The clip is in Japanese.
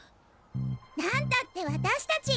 なんたって私達。